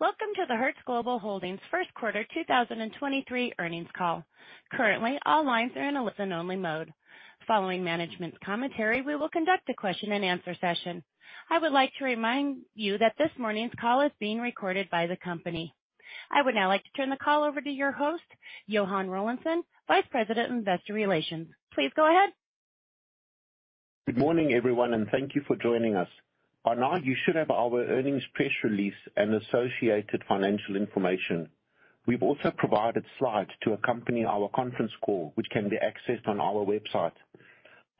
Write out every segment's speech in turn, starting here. Welcome to the Hertz Global Holdings First Quarter 2023 Earnings Call. Currently, all lines are in a listen-only mode. Following management's commentary, we will conduct a question-and-answer session. I would like to remind you that this morning's call is being recorded by the company. I would now like to turn the call over to your host, Johann Rawlinson, Vice President Investor Relations. Please go ahead. Good morning, everyone, and thank you for joining us. By now, you should have our earnings press release and associated financial information. We've also provided slides to accompany our conference call, which can be accessed on our website.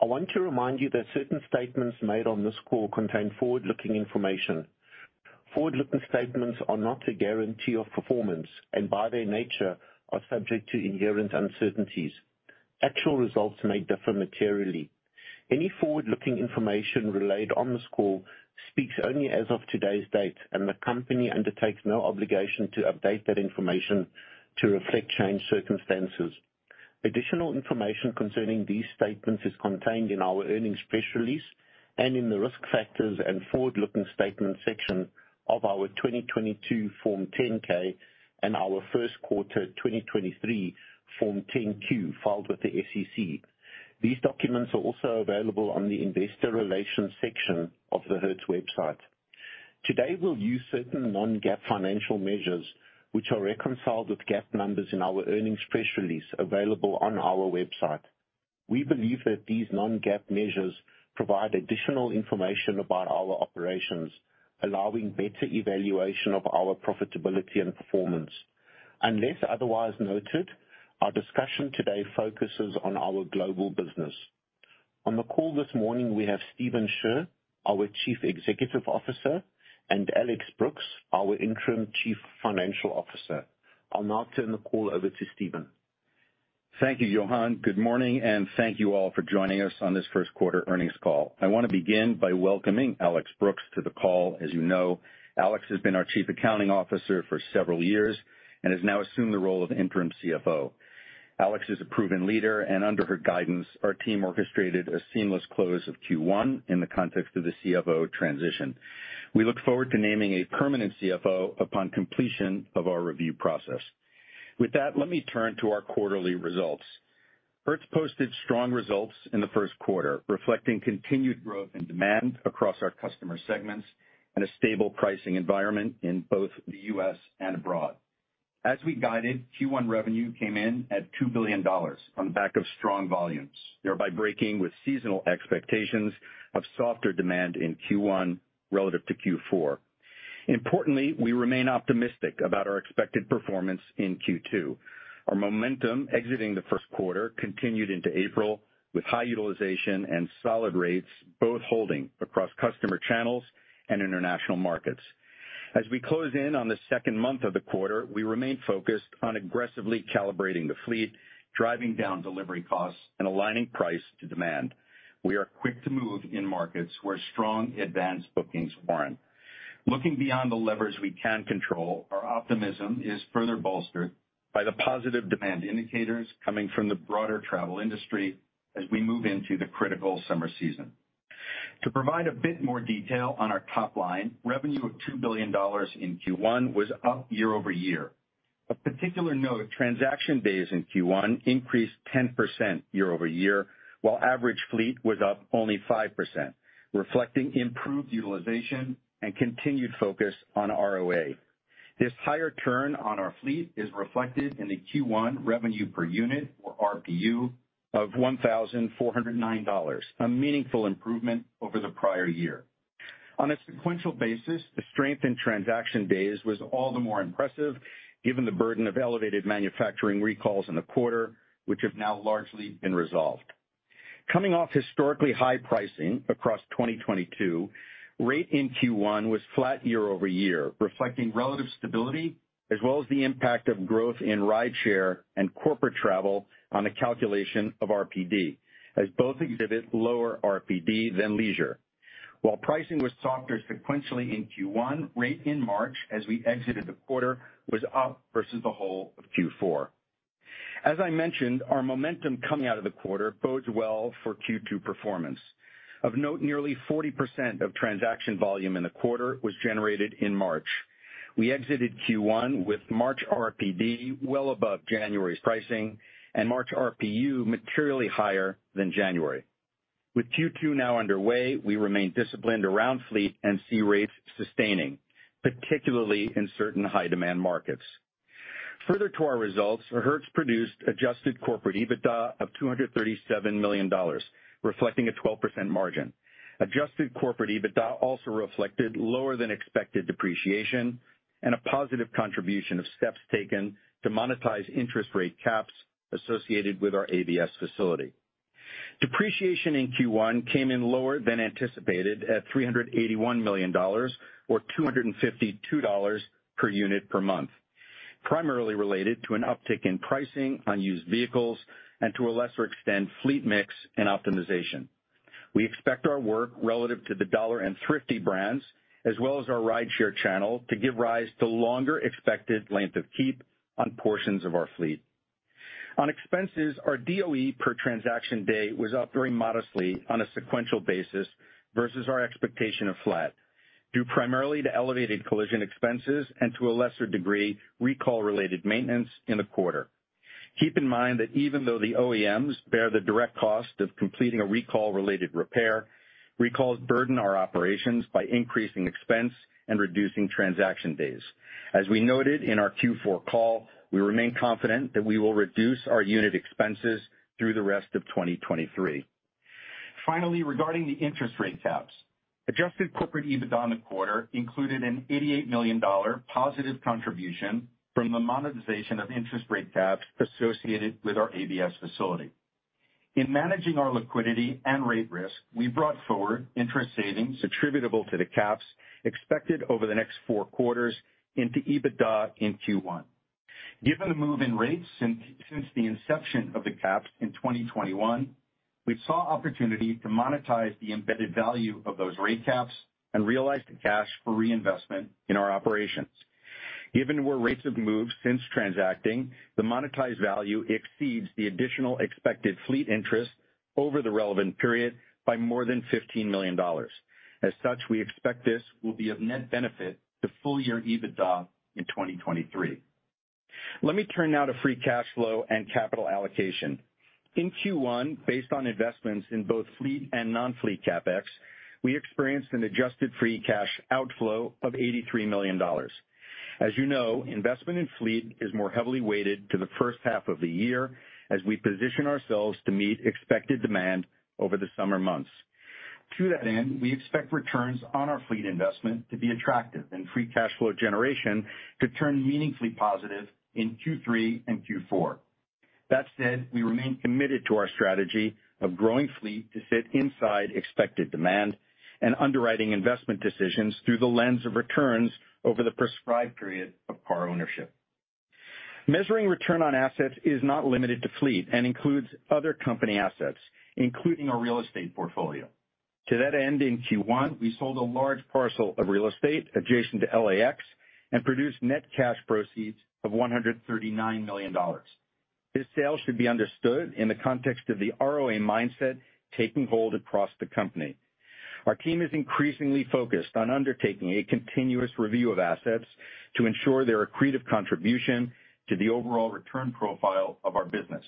I want to remind you that certain statements made on this call contain forward-looking information. Forward-looking statements are not a guarantee of performance and, by their nature, are subject to inherent uncertainties. Actual results may differ materially. Any forward-looking information relayed on this call speaks only as of today's date, and the company undertakes no obligation to update that information to reflect changed circumstances. Additional information concerning these statements is contained in our earnings press release and in the Risk Factors and Forward-Looking Statements section of our 2022 Form 10-K and our first quarter 2023 Form 10-Q filed with the SEC. These documents are also available on the Investor Relations section of the Hertz website. Today, we'll use certain non-GAAP financial measures which are reconciled with GAAP numbers in our earnings press release available on our website. We believe that these non-GAAP measures provide additional information about our operations, allowing better evaluation of our profitability and performance. Unless otherwise noted, our discussion today focuses on our global business. On the call this morning, we have Stephen Scherr, our Chief Executive Officer, and Alex Brooks, our Interim Chief Financial Officer. I'll now turn the call over to Stephen. Thank you, Johann. Good morning, and thank you all for joining us on this first quarter earnings call. I wanna begin by welcoming Alex Brooks to the call. As you know, Alex has been our chief accounting officer for several years and has now assumed the role of interim CFO. Alex is a proven leader, and under her guidance, our team orchestrated a seamless close of Q1 in the context of the CFO transition. We look forward to naming a permanent CFO upon completion of our review process. With that, let me turn to our quarterly results. Hertz posted strong results in the first quarter, reflecting continued growth and demand across our customer segments and a stable pricing environment in both the U.S. and abroad. As we guided, Q1 revenue came in at $2 billion on the back of strong volumes, thereby breaking with seasonal expectations of softer demand in Q1 relative to Q4. Importantly, we remain optimistic about our expected performance in Q2. Our momentum exiting the first quarter continued into April with high utilization and solid rates both holding across customer channels and international markets. As we close in on the second month of the quarter, we remain focused on aggressively calibrating the fleet, driving down delivery costs, and aligning price to demand. We are quick to move in markets where strong advanced bookings warrant. Looking beyond the levers we can control, our optimism is further bolstered by the positive demand indicators coming from the broader travel industry as we move into the critical summer season. To provide a bit more detail on our top line, revenue of $2 billion in Q1 was up year-over-year. Of particular note, transaction days in Q1 increased 10% year-over-year, while average fleet was up only 5%, reflecting improved utilization and continued focus on ROA. This higher turn on our fleet is reflected in the Q1 revenue per unit or RPU of $1,409, a meaningful improvement over the prior year. On a sequential basis, the strength in transaction days was all the more impressive given the burden of elevated manufacturing recalls in the quarter, which have now largely been resolved. Coming off historically high pricing across 2022, rate in Q1 was flat year-over-year, reflecting relative stability as well as the impact of growth in rideshare and corporate travel on the calculation of RPD, as both exhibit lower RPD than leisure. While pricing was softer sequentially in Q1, rate in March as we exited the quarter was up versus the whole of Q4. As I mentioned, our momentum coming out of the quarter bodes well for Q2 performance. Of note, nearly 40% of transaction volume in the quarter was generated in March. We exited Q1 with March RPD well above January's pricing and March RPU materially higher than January. With Q2 now underway, we remain disciplined around fleet and see rates sustaining, particularly in certain high-demand markets. Further to our results, Hertz produced adjusted corporate EBITDA of $237 million, reflecting a 12% margin. Adjusted corporate EBITDA also reflected lower than expected depreciation and a positive contribution of steps taken to monetize interest rate caps associated with our ABS facility. Depreciation in Q1 came in lower than anticipated at $381 million or $252 per unit per month, primarily related to an uptick in pricing on used vehicles and, to a lesser extent, fleet mix and optimization. We expect our work relative to the Dollar and Thrifty brands as well as our rideshare channel to give rise to longer expected length of keep on portions of our fleet. On expenses, our DOE per transaction day was up very modestly on a sequential basis versus our expectation of flat, due primarily to elevated collision expenses and to a lesser degree, recall-related maintenance in the quarter. Keep in mind that even though the OEMs bear the direct cost of completing a recall-related repair, recalls burden our operations by increasing expense and reducing transaction days. As we noted in our Q4 call, we remain confident that we will reduce our unit expenses through the rest of 2023. Regarding the interest rate caps. Adjusted corporate EBIT on the quarter included an $88 million positive contribution from the monetization of interest rate caps associated with our ABS facility. In managing our liquidity and rate risk, we brought forward interest savings attributable to the caps expected over the next four quarters into EBITDA in Q1. Given the move in rates since the inception of the caps in 2021, we saw opportunity to monetize the embedded value of those rate caps and realize the cash for reinvestment in our operations. Given where rates have moved since transacting, the monetized value exceeds the additional expected fleet interest over the relevant period by more than $15 million. We expect this will be of net benefit to full year EBITDA in 2023. Let me turn now to free cash flow and capital allocation. In Q1, based on investments in both fleet and non-fleet CapEx, we experienced an adjusted free cash outflow of $83 million. As you know, investment in fleet is more heavily weighted to the first half of the year as we position ourselves to meet expected demand over the summer months. We expect returns on our fleet investment to be attractive and free cash flow generation to turn meaningfully positive in Q3 and Q4. That said, we remain committed to our strategy of growing fleet to fit inside expected demand and underwriting investment decisions through the lens of returns over the prescribed period of car ownership. Measuring return on assets is not limited to fleet and includes other company assets, including our real estate portfolio. To that end, in Q1, we sold a large parcel of real estate adjacent to LAX and produced net cash proceeds of $139 million. This sale should be understood in the context of the ROA mindset taking hold across the company. Our team is increasingly focused on undertaking a continuous review of assets to ensure their accretive contribution to the overall return profile of our business,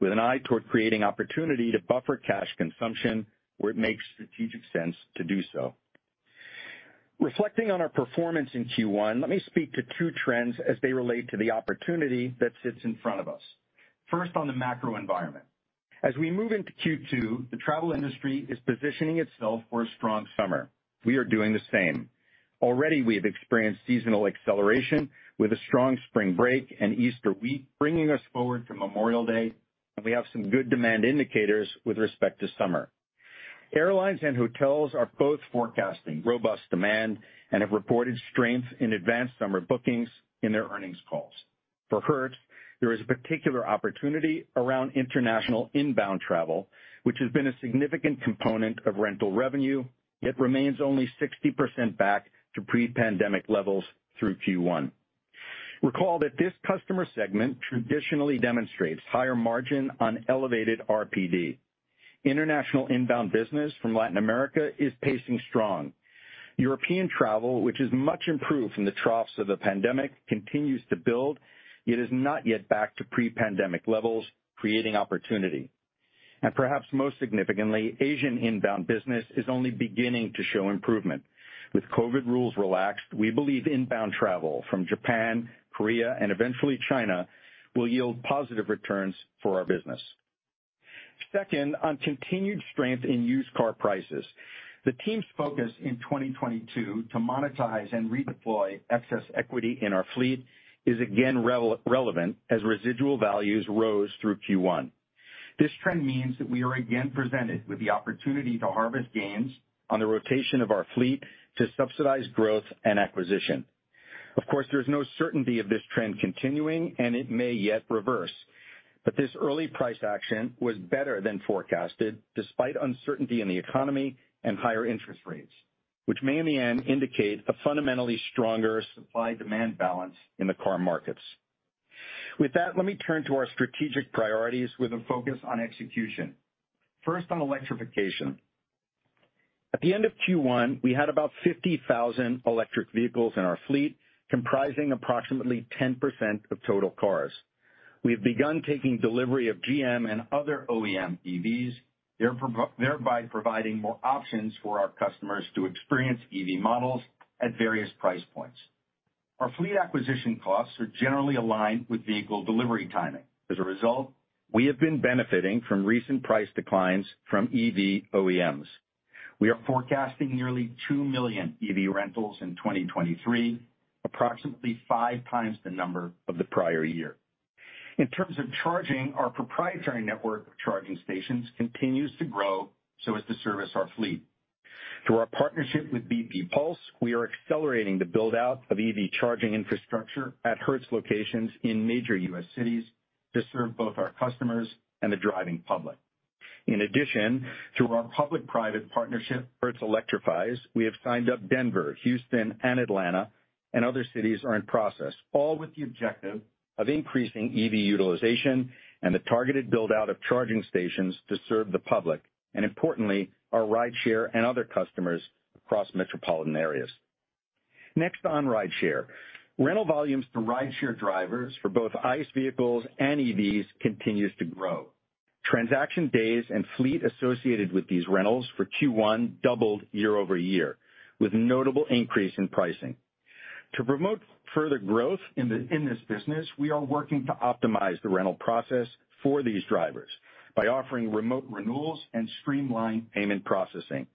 with an eye toward creating opportunity to buffer cash consumption where it makes strategic sense to do so. Reflecting on our performance in Q1, let me speak to two trends as they relate to the opportunity that sits in front of us. First, on the macro environment. As we move into Q2, the travel industry is positioning itself for a strong summer. We are doing the same. Already, we have experienced seasonal acceleration with a strong spring break and Easter week, bringing us forward to Memorial Day. We have some good demand indicators with respect to summer. Airlines and hotels are both forecasting robust demand and have reported strength in advanced summer bookings in their earnings calls. For Hertz, there is a particular opportunity around international inbound travel, which has been a significant component of rental revenue, yet remains only 60% back to pre-pandemic levels through Q1. Recall that this customer segment traditionally demonstrates higher margin on elevated RPD. International inbound business from Latin America is pacing strong. European travel, which is much improved from the troughs of the pandemic, continues to build, yet is not yet back to pre-pandemic levels, creating opportunity. Perhaps most significantly, Asian inbound business is only beginning to show improvement. With COVID rules relaxed, we believe inbound travel from Japan, Korea, and eventually China will yield positive returns for our business. Second, on continued strength in used car prices. The team's focus in 2022 to monetize and redeploy excess equity in our fleet is again relevant as residual values rose through Q1. This trend means that we are again presented with the opportunity to harvest gains on the rotation of our fleet to subsidize growth and acquisition. Of course, there is no certainty of this trend continuing, and it may yet reverse. This early price action was better than forecasted despite uncertainty in the economy and higher interest rates, which may in the end indicate a fundamentally stronger supply-demand balance in the car markets. With that, let me turn to our strategic priorities with a focus on execution. First on electrification. At the end of Q1, we had about 50,000 electric vehicles in our fleet, comprising approximately 10% of total cars. We have begun taking delivery of GM and other OEM EVs, thereby providing more options for our customers to experience EV models at various price points. Our fleet acquisition costs are generally aligned with vehicle delivery timing. As a result, we have been benefiting from recent price declines from EV OEMs. We are forecasting nearly 2 million EV rentals in 2023, approximately five times the number of the prior year. In terms of charging, our proprietary network of charging stations continues to grow so as to service our fleet. Through our partnership with bp pulse, we are accelerating the build-out of EV charging infrastructure at Hertz locations in major U.S. cities to serve both our customers and the driving public. In addition, through our public-private partnership, Hertz Electrifies, we have signed up Denver, Houston, and Atlanta, and other cities are in process, all with the objective of increasing EV utilization and the targeted build-out of charging stations to serve the public, and importantly, our rideshare and other customers across metropolitan areas. Next on rideshare. Rental volumes for rideshare drivers for both ICE vehicles and EVs continues to grow. Transaction days and fleet associated with these rentals for Q1 doubled year-over-year with notable increase in pricing. To promote further growth in this business, we are working to optimize the rental process for these drivers by offering remote renewals and streamlined payment processing,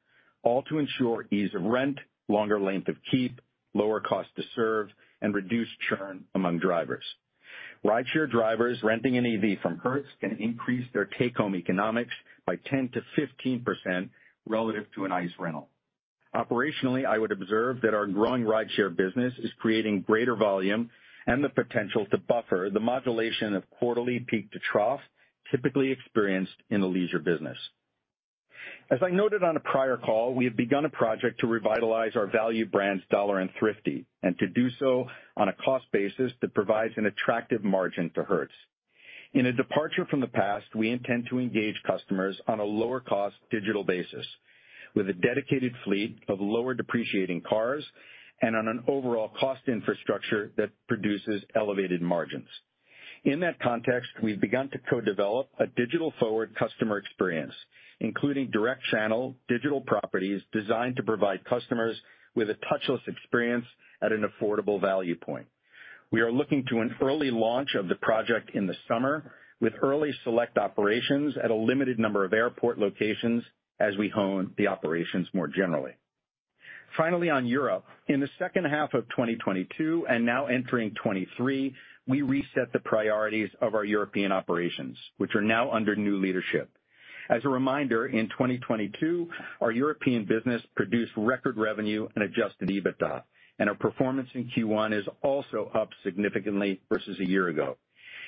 all to ensure ease of rent, longer length of keep, lower cost to serve, and reduce churn among drivers. Rideshare drivers renting an EV from Hertz can increase their take-home economics by 10%-15% relative to an ICE rental. Operationally, I would observe that our growing rideshare business is creating greater volume and the potential to buffer the modulation of quarterly peak to trough typically experienced in the leisure business. As I noted on a prior call, we have begun a project to revitalize our value brands Dollar and Thrifty, and to do so on a cost basis that provides an attractive margin to Hertz. In a departure from the past, we intend to engage customers on a lower cost digital basis with a dedicated fleet of lower depreciating cars and on an overall cost infrastructure that produces elevated margins. In that context, we've begun to co-develop a digital-forward customer experience, including direct channel digital properties designed to provide customers with a touchless experience at an affordable value point. We are looking to an early launch of the project in the summer with early select operations at a limited number of airport locations as we hone the operations more generally. On Europe, in the second half of 2022 and now entering 2023, we reset the priorities of our European operations, which are now under new leadership. As a reminder, in 2022, our European business produced record revenue and adjusted EBITDA. Our performance in Q1 is also up significantly versus a year ago.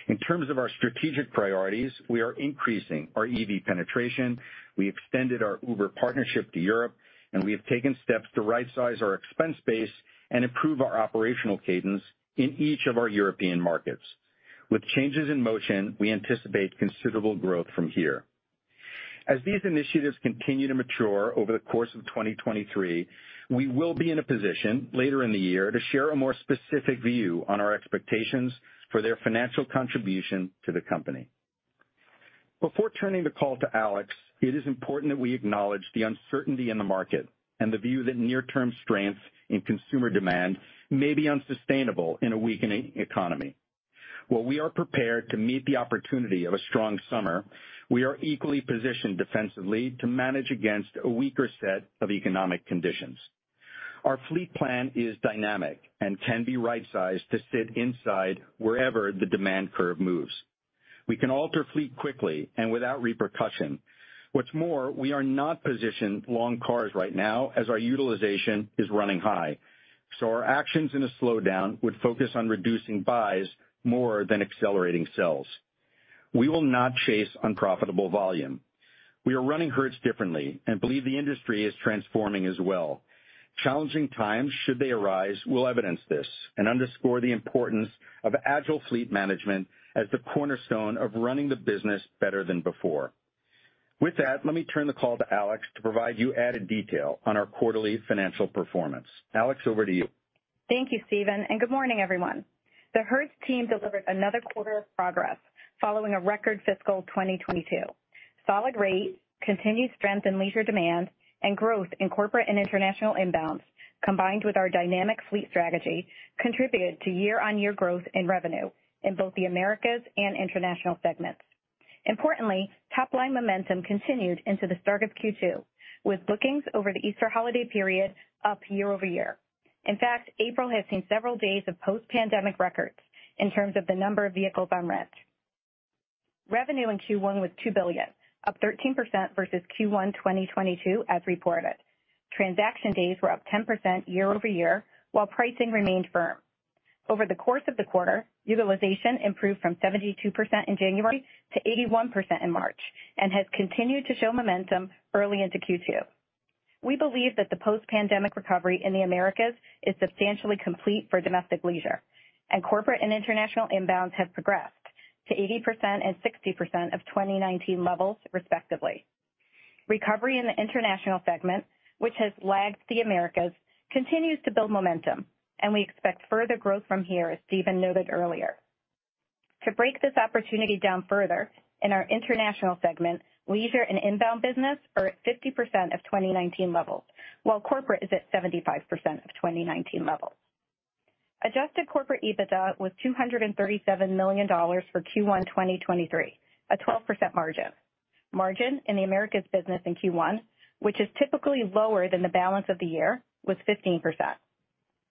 In terms of our strategic priorities, we are increasing our EV penetration. We extended our Uber partnership to Europe, and we have taken steps to rightsize our expense base and improve our operational cadence in each of our European markets. With changes in motion, we anticipate considerable growth from here. As these initiatives continue to mature over the course of 2023, we will be in a position later in the year to share a more specific view on our expectations for their financial contribution to the company. Before turning the call to Alex, it is important that we acknowledge the uncertainty in the market and the view that near-term strengths in consumer demand may be unsustainable in a weakening economy. While we are prepared to meet the opportunity of a strong summer, we are equally positioned defensively to manage against a weaker set of economic conditions. Our fleet plan is dynamic and can be rightsized to sit inside wherever the demand curve moves. We can alter fleet quickly and without repercussion. What's more, we are not positioned long cars right now as our utilization is running high. Our actions in a slowdown would focus on reducing buys more than accelerating sells. We will not chase unprofitable volume. We are running Hertz differently and believe the industry is transforming as well. Challenging times, should they arise, will evidence this and underscore the importance of agile fleet management as the cornerstone of running the business better than before. Let me turn the call to Alex to provide you added detail on our quarterly financial performance. Alex, over to you. Thank you, Stephen. Good morning, everyone. The Hertz team delivered another quarter of progress following a record fiscal 2022. Solid rate, continued strength in leisure demand, and growth in corporate and international inbounds, combined with our dynamic fleet strategy, contributed to year-over-year growth in revenue in both the Americas and international segments. Importantly, top-line momentum continued into the start of Q2, with bookings over the Easter holiday period up year-over-year. In fact, April has seen several days of post-pandemic records in terms of the number of vehicles on rent. Revenue in Q1 was $2 billion, up 13% versus Q1 2022 as reported. Transaction days were up 10% year-over-year, while pricing remained firm. Over the course of the quarter, utilization improved from 72% in January to 81% in March and has continued to show momentum early into Q2. We believe that the post-pandemic recovery in the Americas is substantially complete for domestic leisure, and corporate and international inbounds have progressed to 80% and 60% of 2019 levels, respectively. Recovery in the international segment, which has lagged the Americas, continues to build momentum, and we expect further growth from here, as Stephen Scherr noted earlier. To break this opportunity down further in our international segment, leisure and inbound business are at 50% of 2019 levels, while corporate is at 75% of 2019 levels. Adjusted corporate EBITDA was $237 million for Q1 2023, a 12% margin. Margin in the Americas business in Q1, which is typically lower than the balance of the year, was 15%.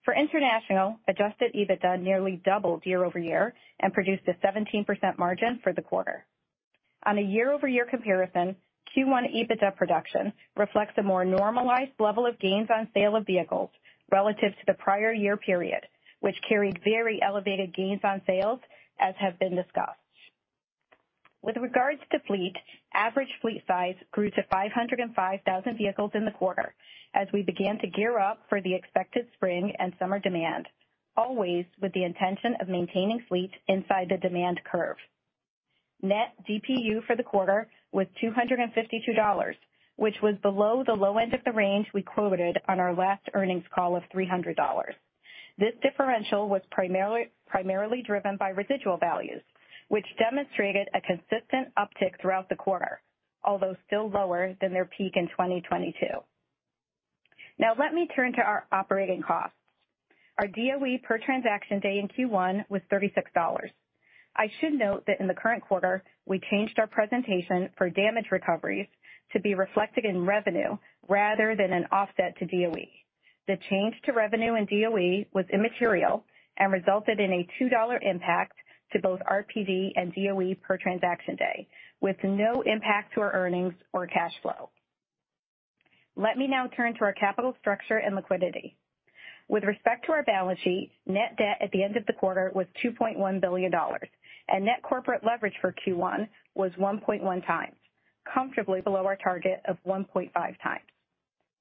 For international, adjusted EBITDA nearly doubled year-over-year and produced a 17% margin for the quarter. On a year-over-year comparison, Q1 EBITDA production reflects a more normalized level of gains on sale of vehicles relative to the prior year period, which carried very elevated gains on sales, as have been discussed. With regards to fleet, average fleet size grew to 505,000 vehicles in the quarter as we began to gear up for the expected spring and summer demand, always with the intention of maintaining fleet inside the demand curve. Net DPU for the quarter was $252, which was below the low end of the range we quoted on our last earnings call of $300. This differential was primarily driven by residual values, which demonstrated a consistent uptick throughout the quarter, although still lower than their peak in 2022. Let me turn to our operating costs. Our DOE per transaction day in Q1 was $36. I should note that in the current quarter, we changed our presentation for damage recoveries to be reflected in revenue rather than an offset to DOE. The change to revenue in DOE was immaterial and resulted in a $2 impact to both RPD and DOE per transaction day, with no impact to our earnings or cash flow. Let me now turn to our capital structure and liquidity. With respect to our balance sheet, net debt at the end of the quarter was $2.1 billion, and net corporate leverage for Q1 was 1.1x, comfortably below our target of 1.5x.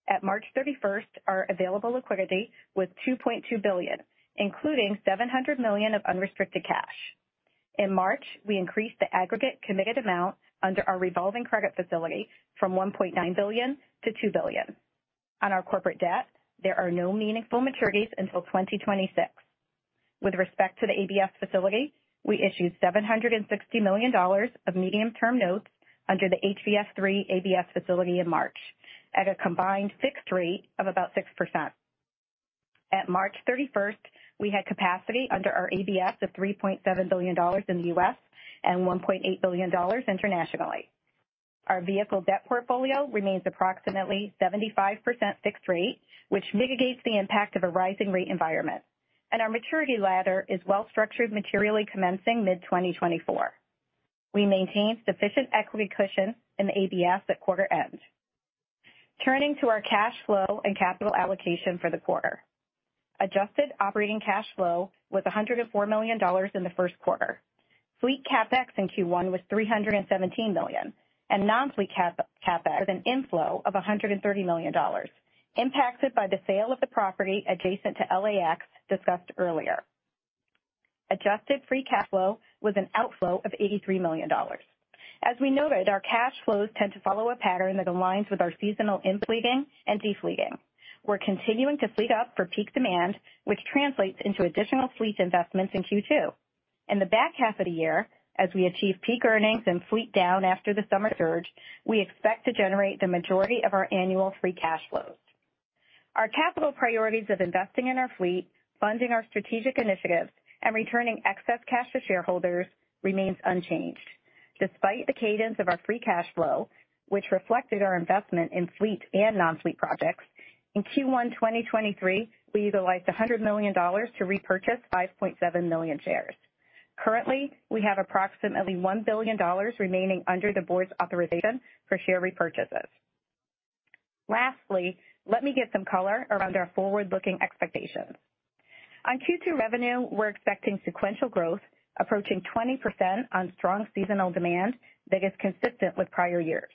At March 31st, our available liquidity was $2.2 billion, including $700 million of unrestricted cash. In March, we increased the aggregate committed amount under our revolving credit facility from $1.9 billion to $2 billion. On our corporate debt, there are no meaningful maturities until 2026. With respect to the ABS facility, we issued $760 million of medium-term notes under the HVF III ABS facility in March at a combined fixed rate of about 6%. At March 31st, we had capacity under our ABS of $3.7 billion in the U.S. and $1.8 billion internationally. Our vehicle debt portfolio remains approximately 75% fixed rate, which mitigates the impact of a rising rate environment. Our maturity ladder is well structured, materially commencing mid-2024. We maintained sufficient equity cushion in the ABS at quarter end. Turning to our cash flow and capital allocation for the quarter. Adjusted operating cash flow was $104 million in the first quarter. Fleet CapEx in Q1 was $317 million, non-fleet CapEx was an inflow of $130 million, impacted by the sale of the property adjacent to LAX discussed earlier. Adjusted free cash flow was an outflow of $83 million. As we noted, our cash flows tend to follow a pattern that aligns with our seasonal in-fleeting and de-fleeting. We're continuing to fleet up for peak demand, which translates into additional fleet investments in Q2. In the back half of the year, as we achieve peak earnings and fleet down after the summer surge, we expect to generate the majority of our annual free cash flows. Our capital priorities of investing in our fleet, funding our strategic initiatives, and returning excess cash to shareholders remains unchanged. Despite the cadence of our free cash flow, which reflected our investment in fleet and non-fleet projects, in Q1 2023, we utilized $100 million to repurchase 5.7 million shares. Currently, we have approximately $1 billion remaining under the board's authorization for share repurchases. Let me give some color around our forward-looking expectations. On Q2 revenue, we're expecting sequential growth approaching 20% on strong seasonal demand that is consistent with prior years.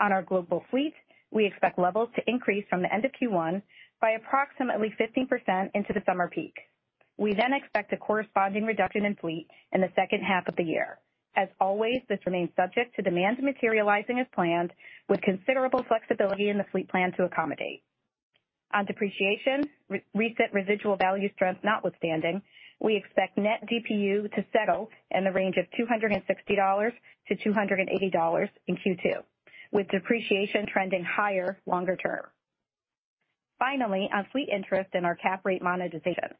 On our global fleet, we expect levels to increase from the end of Q1 by approximately 15% into the summer peak. We expect a corresponding reduction in fleet in the second half of the year. As always, this remains subject to demand materializing as planned, with considerable flexibility in the fleet plan to accommodate. On depreciation, re-reset residual value strength notwithstanding, we expect net DPU to settle in the range of $260-$280 in Q2, with depreciation trending higher longer term. Finally, on fleet interest in our cap rate monetization,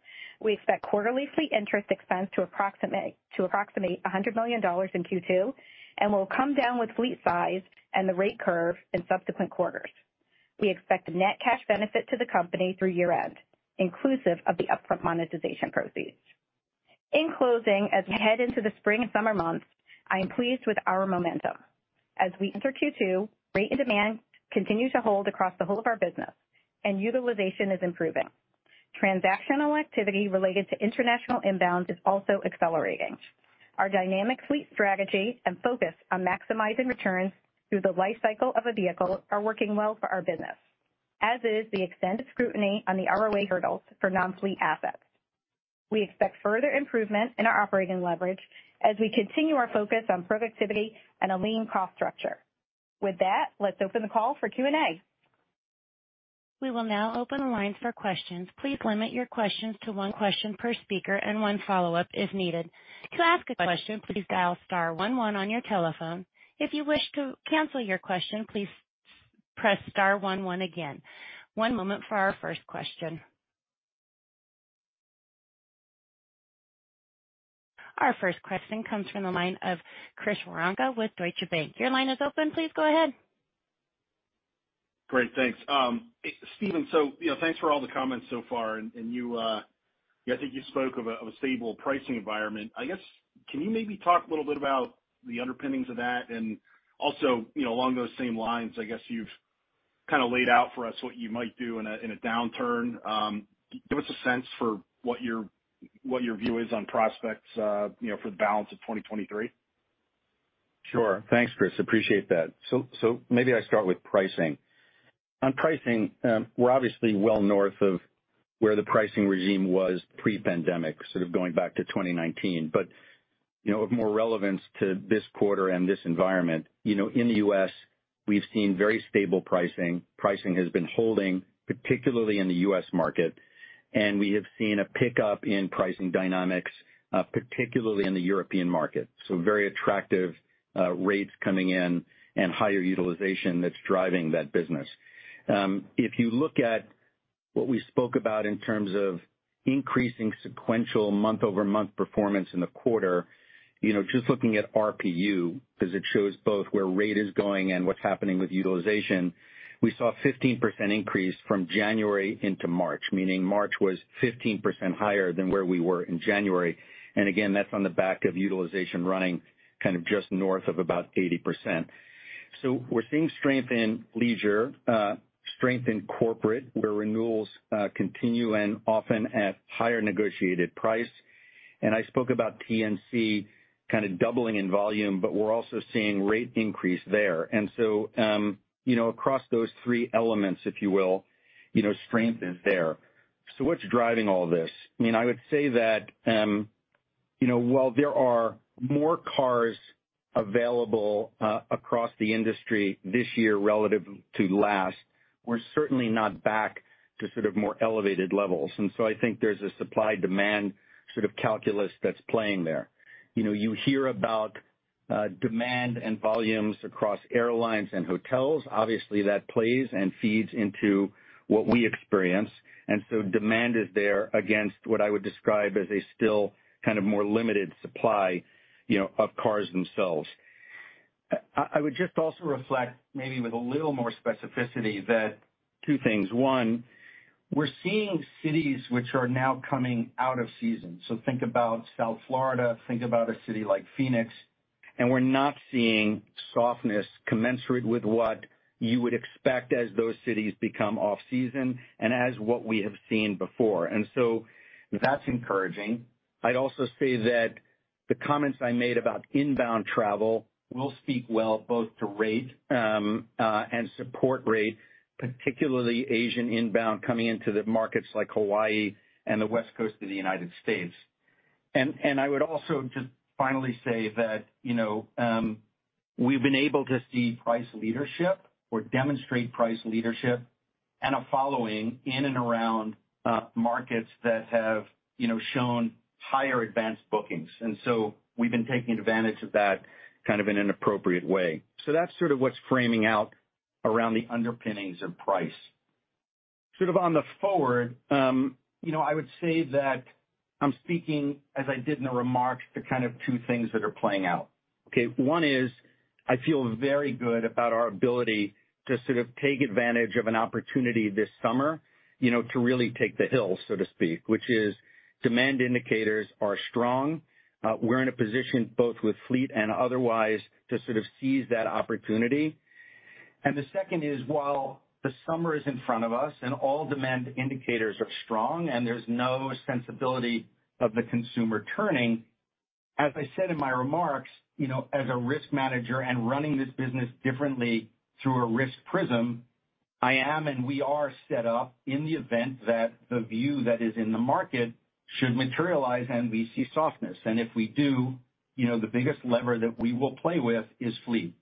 we expect quarterly fleet interest expense to approximate $100 million in Q2, and will come down with fleet size and the rate curve in subsequent quarters. We expect net cash benefit to the company through year-end, inclusive of the upfront monetization proceeds. In closing, as we head into the spring and summer months, I am pleased with our momentum. As we enter Q2, rate and demand continue to hold across the whole of our business, and utilization is improving. Transactional activity related to international inbound is also accelerating. Our dynamic fleet strategy and focus on maximizing returns through the life cycle of a vehicle are working well for our business, as is the extended scrutiny on the ROA hurdles for non-fleet assets. We expect further improvement in our operating leverage as we continue our focus on productivity and a lean cost structure. Let's open the call for Q&A. We will now open the lines for questions. Please limit your questions to one question per speaker and one follow-up if needed. To ask a question, please dial star one one on your telephone. If you wish to cancel your question, please press star one one again. One moment for our first question. Our first question comes from the line of Chris Woronka with Deutsche Bank. Your line is open. Please go ahead. Great. Thanks. Stephen, you know, thanks for all the comments so far. You, I think you spoke of a, of a stable pricing environment. I guess, can you maybe talk a little bit about the underpinnings of that? Also, you know, along those same lines, I guess. Kind of laid out for us what you might do in a downturn. Give us a sense for what your view is on prospects, you know, for the balance of 2023. Sure. Thanks, Chris. Appreciate that. Maybe I start with pricing. On pricing, we're obviously well north of where the pricing regime was pre-pandemic, sort of going back to 2019. You know, of more relevance to this quarter and this environment, you know, in the U.S., we've seen very stable pricing. Pricing has been holding, particularly in the U.S. market, and we have seen a pickup in pricing dynamics, particularly in the European market. Very attractive rates coming in and higher utilization that's driving that business. If you look at what we spoke about in terms of increasing sequential month-over-month performance in the quarter, you know, just looking at RPU, 'cause it shows both where rate is going and what's happening with utilization, we saw a 15% increase from January into March, meaning March was 15% higher than where we were in January. Again, that's on the back of utilization running kind of just north of about 80%. We're seeing strength in leisure, strength in corporate, where renewals continue and often at higher negotiated price. I spoke about TNC kind of doubling in volume, but we're also seeing rate increase there. You know, across those three elements, if you will, you know, strength is there. What's driving all this? I mean, I would say that, you know, while there are more cars available, across the industry this year relative to last, we're certainly not back to sort of more elevated levels. I think there's a supply-demand sort of calculus that's playing there. You know, you hear about, demand and volumes across airlines and hotels. Obviously, that plays and feeds into what we experience. Demand is there against what I would describe as a still kind of more limited supply, you know, of cars themselves. I would just also reflect maybe with a little more specificity that two things. One, we're seeing cities which are now coming out of season. Think about South Florida, think about a city like Phoenix, and we're not seeing softness commensurate with what you would expect as those cities become off season and as what we have seen before. That's encouraging. I'd also say that the comments I made about inbound travel will speak well both to rate, and support rate, particularly Asian inbound coming into the markets like Hawaii and the West Coast of the United States. I would also just finally say that, you know, we've been able to see price leadership or demonstrate price leadership and a following in and around markets that have, you know, shown higher advanced bookings. We've been taking advantage of that kind of in an appropriate way. That's sort of what's framing out around the underpinnings of price. Sort of on the forward, you know, I would say that I'm speaking as I did in the remarks to kind of two things that are playing out. Okay? One is I feel very good about our ability to sort of take advantage of an opportunity this summer, you know, to really take the hill, so to speak, which is demand indicators are strong. We're in a position both with fleet and otherwise to sort of seize that opportunity. The second is, while the summer is in front of us and all demand indicators are strong and there's no sensibility of the consumer turning, as I said in my remarks, you know, as a risk manager and running this business differently through a risk prism, I am and we are set up in the event that the view that is in the market should materialize and we see softness. If we do, you know, the biggest lever that we will play with is fleet.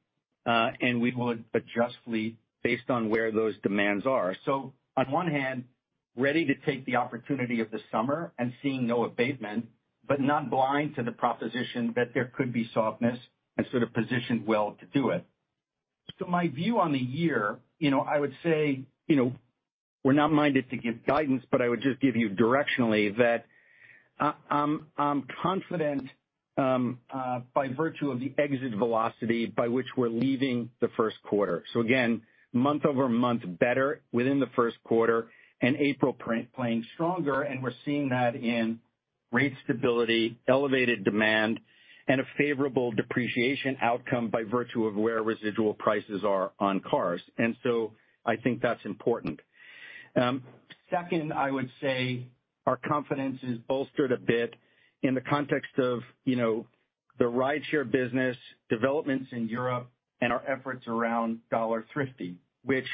We would adjust fleet based on where those demands are. On one hand, ready to take the opportunity of the summer and seeing no abatement, but not blind to the proposition that there could be softness and sort of positioned well to do it. My view on the year, you know, I would say, you know, we're not minded to give guidance, but I would just give you directionally that I'm confident by virtue of the exit velocity by which we're leaving the first quarter. Again, month-over-month better within the first quarter and April print playing stronger, and we're seeing that in rate stability, elevated demand, and a favorable depreciation outcome by virtue of where residual prices are on cars. I think that's important. Second, I would say our confidence is bolstered a bit in the context of, you know, the rideshare business, developments in Europe, and our efforts around Dollar Thrifty, which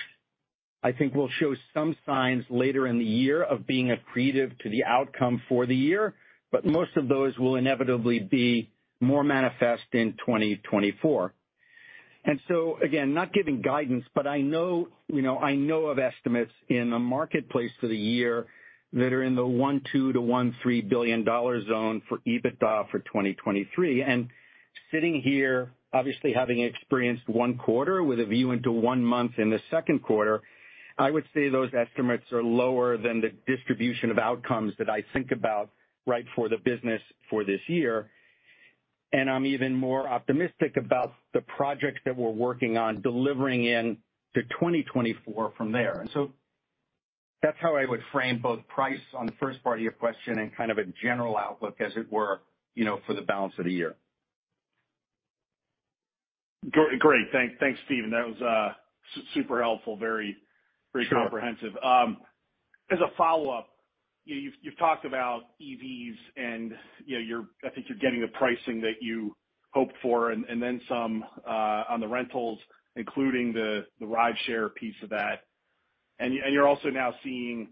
I think will show some signs later in the year of being accretive to the outcome for the year, but most of those will inevitably be more manifest in 2024. Again, not giving guidance, but I know, you know, I know of estimates in the marketplace for the year that are in the $1.2 billion-$1.3 billion zone for EBITDA for 2023. Sitting here, obviously having experienced one quarter with a view into one month in the second quarter, I would say those estimates are lower than the distribution of outcomes that I think about, right, for the business for this year. I'm even more optimistic about the projects that we're working on delivering in to 2024 from there. That's how I would frame both price on the first part of your question and kind of a general outlook as it were, you know, for the balance of the year. Great. Thanks, Stephen. That was super helpful. Sure Very comprehensive. As a follow-up, you've talked about EVs and, you know, I think you're getting the pricing that you hoped for, and then some, on the rentals, including the rideshare piece of that. You're also now seeing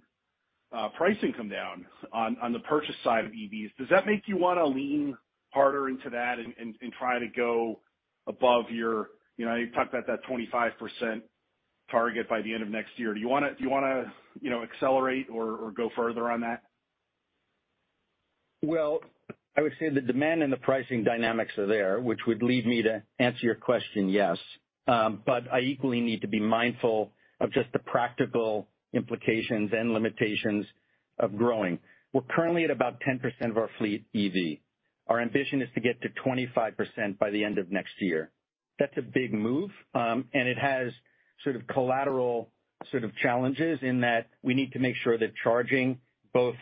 pricing come down on the purchase side of EVs. Does that make you wanna lean harder into that and try to go above your, you know, you talked about that 25% target by the end of next year. Do you wanna, you know, accelerate or go further on that? Well, I would say the demand and the pricing dynamics are there, which would lead me to answer your question, yes. I equally need to be mindful of just the practical implications and limitations of growing. We're currently at about 10% of our fleet EV. Our ambition is to get to 25% by the end of next year. That's a big move, and it has sort of collateral sort of challenges in that we need to make sure that charging, both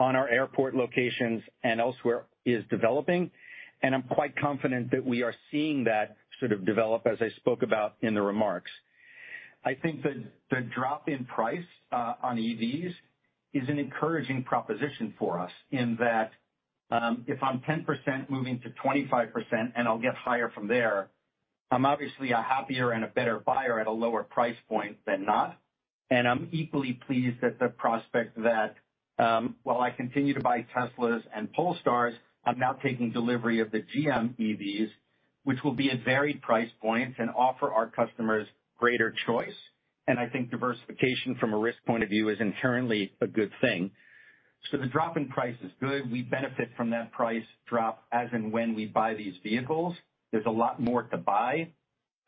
on our airport locations and elsewhere, is developing. I'm quite confident that we are seeing that sort of develop, as I spoke about in the remarks. I think the drop in price on EVs is an encouraging proposition for us in that, if I'm 10% moving to 25%, I'll get higher from there, I'm obviously a happier and a better buyer at a lower price point than not. I'm equally pleased at the prospect that, while I continue to buy Teslas and Polestars, I'm now taking delivery of the GM EVs, which will be at varied price points and offer our customers greater choice. I think diversification from a risk point of view is inherently a good thing. The drop in price is good. We benefit from that price drop as and when we buy these vehicles. There's a lot more to buy.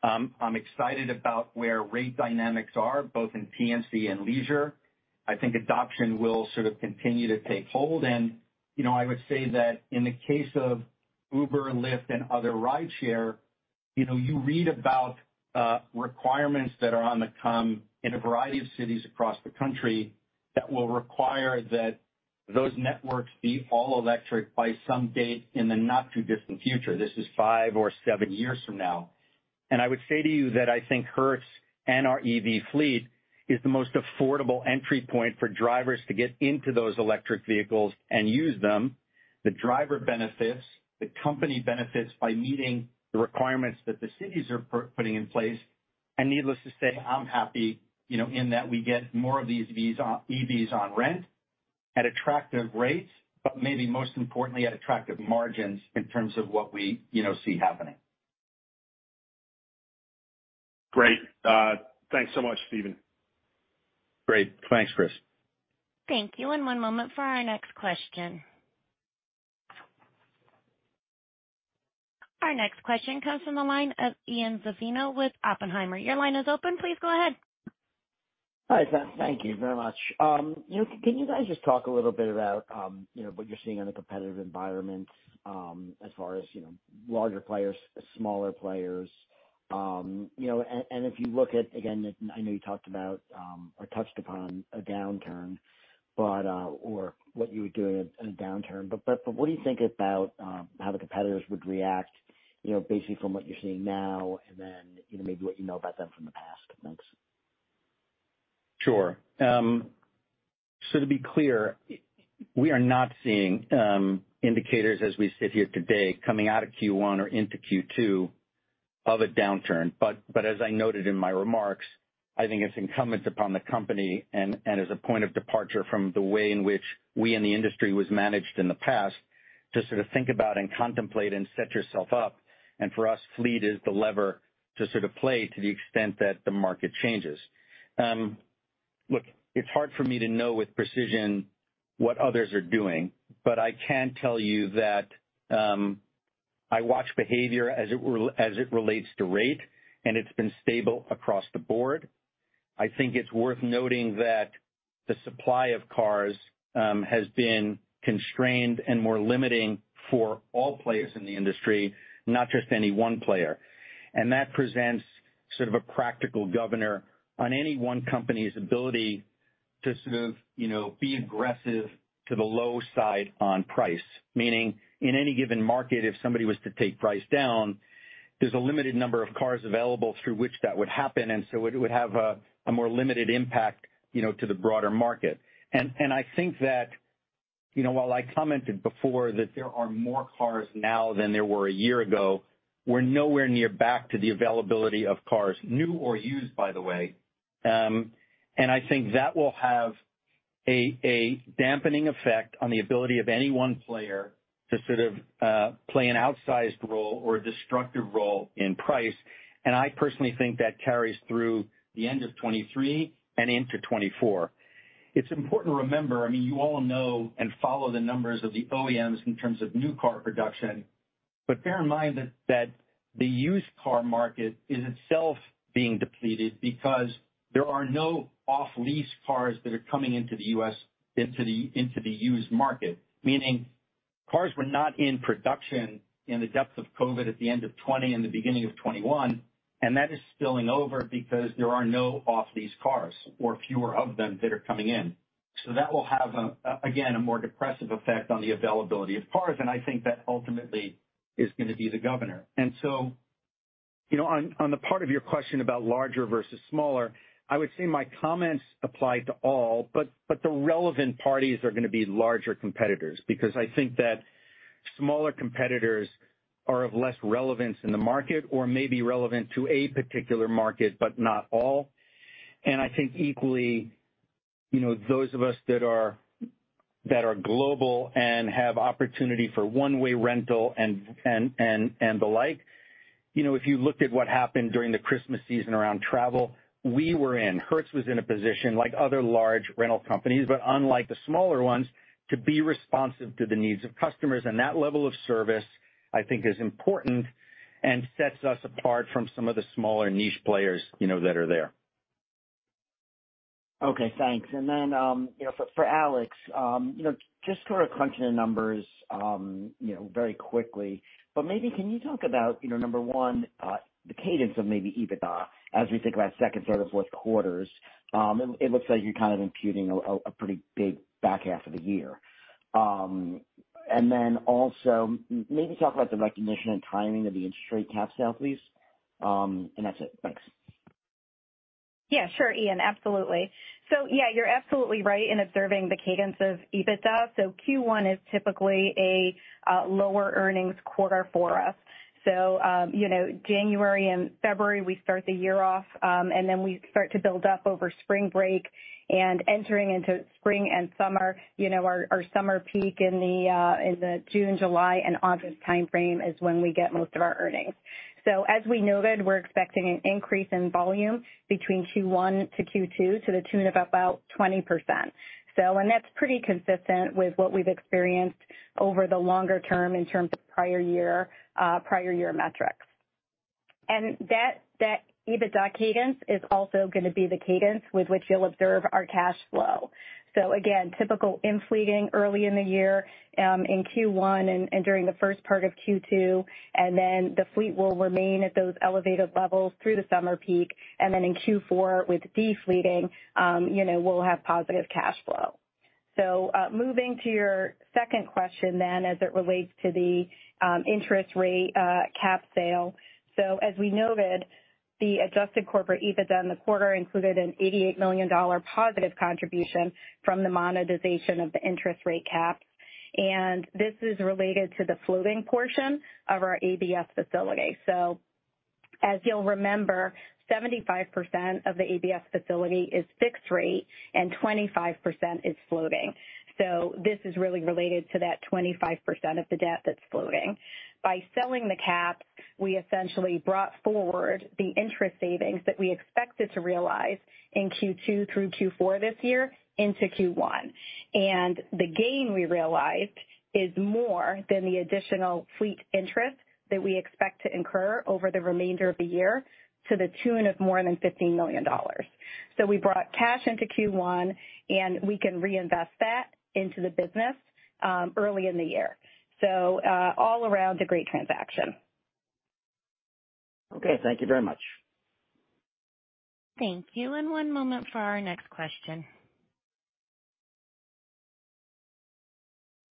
I'm excited about where rate dynamics are, both in PNC and leisure. I think adoption will sort of continue to take hold. You know, I would say that in the case of Uber and Lyft and other rideshare, you know, you read about requirements that are on the come in a variety of cities across the country that will require that those networks be all electric by some date in the not too distant future. This is five or seven years from now. I would say to you that I think Hertz and our EV fleet is the most affordable entry point for drivers to get into those electric vehicles and use them. The driver benefits, the company benefits by meeting the requirements that the cities are putting in place. Needless to say, I'm happy, you know, in that we get more of these EVs on rent at attractive rates, but maybe most importantly, at attractive margins in terms of what we, you know, see happening. Great. Thanks so much, Stephen. Great. Thanks, Chris. Thank you. One moment for our next question. Our next question comes from the line of Ian Zaffino with Oppenheimer. Your line is open. Please go ahead. Hi, Stephen. Thank you very much. You know, can you guys just talk a little bit about, you know, what you're seeing in the competitive environment, as far as, you know, larger players, smaller players? If you look at again, I know you talked about, or touched upon a downturn, or what you would do in a downturn. What do you think about, how the competitors would react, you know, basically from what you're seeing now and then, you know, maybe what you know about them from the past? Thanks. Sure. To be clear, we are not seeing indicators as we sit here today coming out of Q1 or into Q2 of a downturn. As I noted in my remarks, I think it's incumbent upon the company and as a point of departure from the way in which we in the industry was managed in the past, to sort of think about and contemplate and set yourself up. For us, fleet is the lever to sort of play to the extent that the market changes. Look, it's hard for me to know with precision what others are doing, but I can tell you that I watch behavior as it relates to rate, and it's been stable across the board. I think it's worth noting that the supply of cars has been constrained and more limiting for all players in the industry, not just any one player. That presents sort of a practical governor on any one company's ability to sort of, you know, be aggressive to the low side on price. Meaning, in any given market, if somebody was to take price down, there's a limited number of cars available through which that would happen, and so it would have a more limited impact, you know, to the broader market. I think that, you know, while I commented before that there are more cars now than there were a year ago, we're nowhere near back to the availability of cars, new or used, by the way. I think that will have a dampening effect on the ability of any one player to sort of play an outsized role or a destructive role in price. I personally think that carries through the end of 2023 and into 2024. It's important to remember, I mean, you all know and follow the numbers of the OEMs in terms of new car production, but bear in mind that the used car market is itself being depleted because there are no off-lease cars that are coming into the U.S. into the used market. Meaning, cars were not in production in the depths of COVID at the end of 2020 and the beginning of 2021, and that is spilling over because there are no off-lease cars or fewer of them that are coming in. That will have again, a more depressive effect on the availability of cars, and I think that ultimately is gonna be the governor. You know, on the part of your question about larger versus smaller, I would say my comments apply to all, but the relevant parties are gonna be larger competitors because I think that smaller competitors are of less relevance in the market or maybe relevant to a particular market, but not all. I think equally, you know, those of us that are global and have opportunity for one-way rental and the like, you know, if you looked at what happened during the Christmas season around travel, we were in, Hertz was in a position like other large rental companies, but unlike the smaller ones, to be responsive to the needs of customers. That level of service I think is important and sets us apart from some of the smaller niche players, you know, that are there. Okay, thanks. You know, for Alex, you know, just sort of crunching the numbers, you know, very quickly, but maybe can you talk about, you know, number one, the cadence of maybe EBITDA as we think about second sort of fourth quarters. It looks like you're kind of imputing a pretty big back half of the year. Also maybe talk about the recognition and timing of the interest rate cap sale, please. That's it. Thanks. Yeah. Sure, Ian. Absolutely. Yeah, you're absolutely right in observing the cadence of EBITDA. Q1 is typically a lower earnings quarter for us. You know, January and February, we start the year off, and then we start to build up over spring break and entering into spring and summer. You know, our summer peak in the June, July, and August timeframe is when we get most of our earnings. As we noted, we're expecting an increase in volume between Q1 to Q2 to the tune of about 20%. That's pretty consistent with what we've experienced over the longer term in terms of prior year prior year metrics. That EBITDA cadence is also gonna be the cadence with which you'll observe our cash flow. Again, typical in fleet early in the year, in Q1 and during the first part of Q2, and then the fleet will remain at those elevated levels through the summer peak. In Q4 with de-fleeting, you know, we'll have positive cash flow. Moving to your second question then as it relates to the interest rate cap sale. As we noted, the adjusted corporate EBITDA in the quarter included an $88 million positive contribution from the monetization of the interest rate caps. This is related to the floating portion of our ABS facility. As you'll remember, 75% of the ABS facility is fixed rate and 25% is floating. This is really related to that 25% of the debt that's floating. By selling the cap, we essentially brought forward the interest savings that we expected to realize in Q2 through Q4 this year into Q1. The gain we realized is more than the additional fleet interest that we expect to incur over the remainder of the year to the tune of more than $15 million. We brought cash into Q1, and we can reinvest that into the business early in the year. All around a great transaction. Okay. Thank you very much. Thank you. One moment for our next question.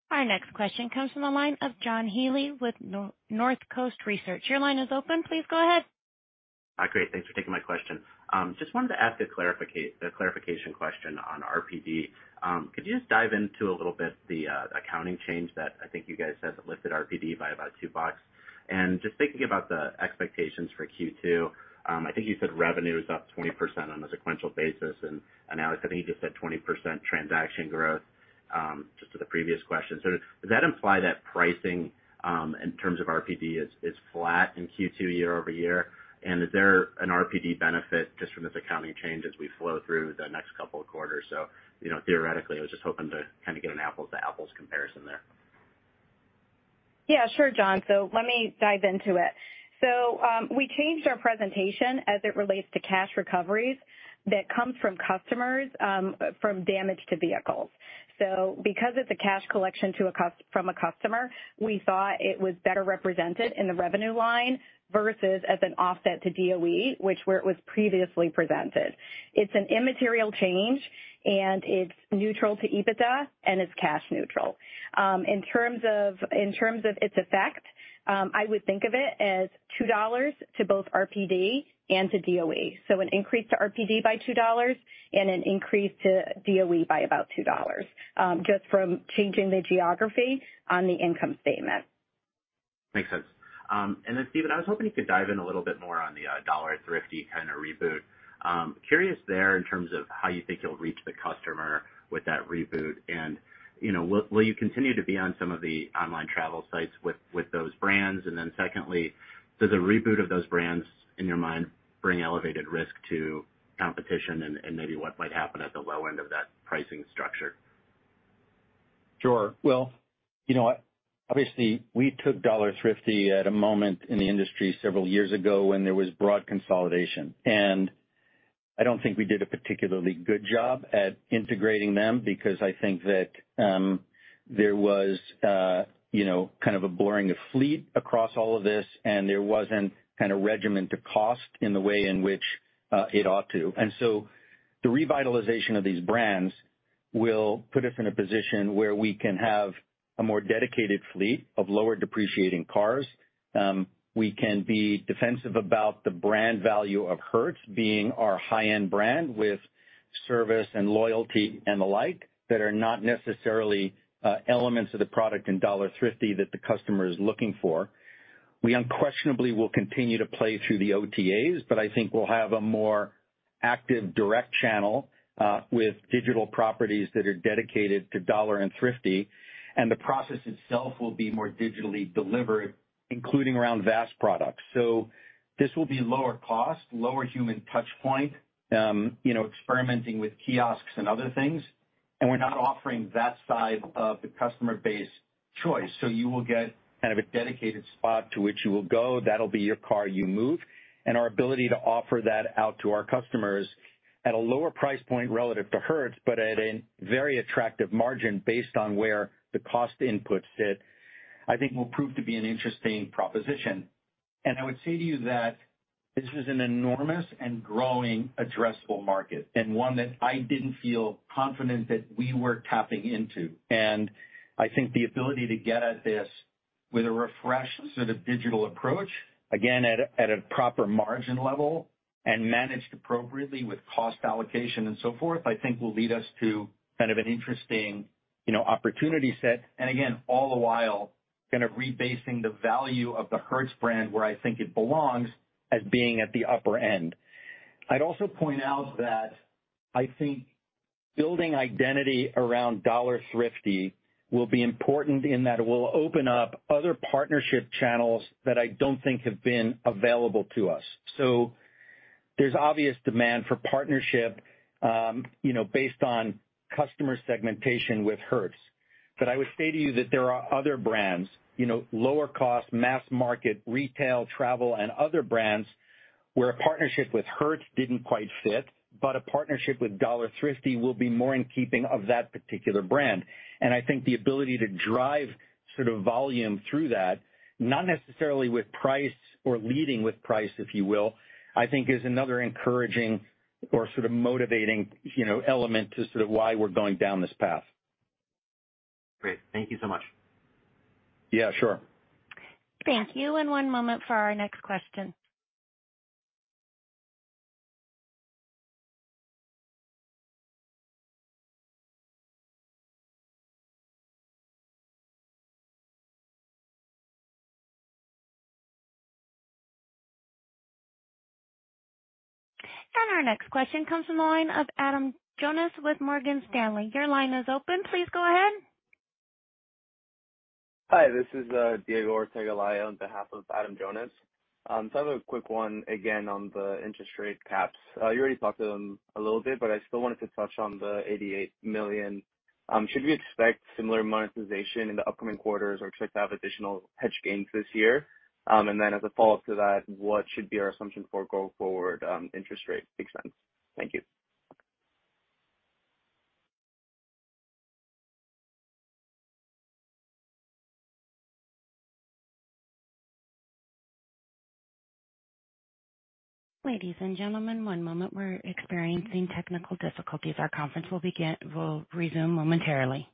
Our next question comes from the line of John Healy with Northcoast Research. Your line is open. Please go ahead. Great. Thanks for taking my question. Just wanted to ask a clarification question on RPD. Could you just dive into a little bit the accounting change that I think you guys said that lifted RPD by about $2? Just thinking about the expectations for Q2, I think you said revenue is up 20% on a sequential basis. Alex, I think you just said 20% transaction growth, just to the previous question. Does that imply that pricing, in terms of RPD is flat in Q2 year-over-year? Is there an RPD benefit just from this accounting change as we flow through the next couple of quarters? You know, theoretically, I was just hoping to kind of get an apples to apples comparison there. Yeah. Sure, John. Let me dive into it. We changed our presentation as it relates to cash recoveries that come from customers, from damage to vehicles. Because it's a cash collection from a customer, we thought it was better represented in the revenue line versus as an offset to DOE, which where it was previously presented. It's an immaterial change, and it's neutral to EBITDA, and it's cash neutral. In terms of, in terms of its effect, I would think of it as $2 to both RPD and to DOE. An increase to RPD by $2 and an increase to DOE by about $2, just from changing the geography on the income statement. Makes sense. Stephen, I was hoping you could dive in a little bit more on the Dollar Thrifty kind of reboot. Curious there in terms of how you think you'll reach the customer with that reboot. You know, will you continue to be on some of the online travel sites with those brands? Secondly, does a reboot of those brands, in your mind, bring elevated risk to competition and maybe what might happen at the low end of that pricing structure? Sure. Well, you know, obviously, we took Dollar Thrifty at a moment in the industry several years ago when there was broad consolidation, and I don't think we did a particularly good job at integrating them because I think that, you know, kind of a blurring of fleet across all of this, and there wasn't kind of regimen to cost in the way in which it ought to. The revitalization of these brands will put us in a position where we can have a more dedicated fleet of lower depreciating cars. We can be defensive about the brand value of Hertz being our high-end brand with service and loyalty and the like that are not necessarily elements of the product in Dollar Thrifty that the customer is looking for. We unquestionably will continue to play through the OTAs, but I think we'll have a more active direct channel with digital properties that are dedicated to Dollar and Thrifty, and the process itself will be more digitally delivered, including around VaaS products. This will be lower cost, lower human touch point, you know, experimenting with kiosks and other things. We're not offering that side of the customer base choice. You will get kind of a dedicated spot to which you will go, that'll be your car, you move. Our ability to offer that out to our customers at a lower price point relative to Hertz, but at a very attractive margin based on where the cost inputs sit, I think will prove to be an interesting proposition. I would say to you that this is an enormous and growing addressable market, and one that I didn't feel confident that we were tapping into. I think the ability to get at this with a refresh sort of digital approach, again, at a proper margin level and managed appropriately with cost allocation and so forth, I think will lead us to kind of an interesting, you know, opportunity set. Again, all the while kind of rebasing the value of the Hertz brand where I think it belongs as being at the upper end. I'd also point out that I think building identity around Dollar Thrifty will be important in that it will open up other partnership channels that I don't think have been available to us. There's obvious demand for partnership, you know, based on customer segmentation with Hertz. I would say to you that there are other brands, you know, lower cost, mass market, retail, travel, and other brands where a partnership with Hertz didn't quite fit, but a partnership with Dollar Thrifty will be more in keeping of that particular brand. I think the ability to drive sort of volume through that, not necessarily with price or leading with price, if you will, I think is another encouraging or sort of motivating, you know, element to sort of why we're going down this path. Great. Thank you so much. Yeah, sure. Thank you. One moment for our next question. Our next question comes from the line of Adam Jonas with Morgan Stanley. Your line is open. Please go ahead. Hi, this is Diego Ortega Laya on behalf of Adam Jonas. I have a quick one again on the interest rate caps. You already talked to them a little bit, but I still wanted to touch on the $88 million. Should we expect similar monetization in the upcoming quarters or expect to have additional hedge gains this year? As a follow-up to that, what should be our assumption for go forward interest rate expense? Thank you. Ladies and gentlemen, one moment. We're experiencing technical difficulties. Our conference will resume momentarily.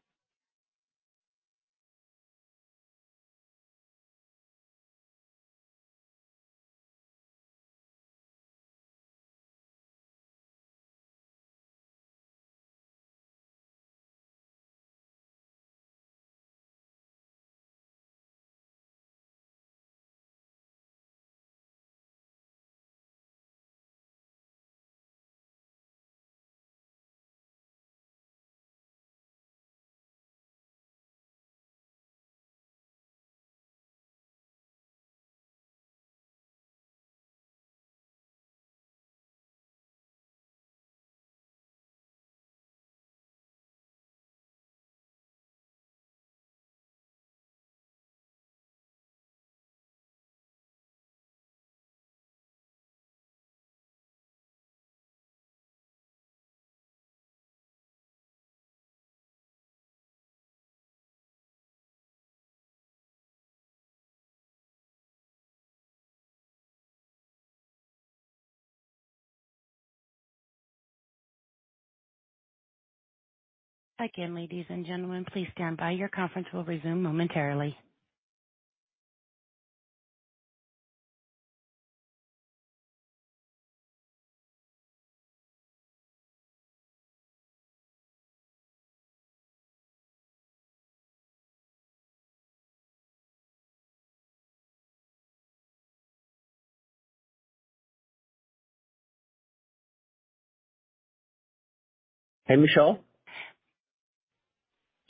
Hey, Michelle.